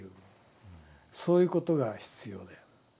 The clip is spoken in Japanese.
そういうことが必要だよ。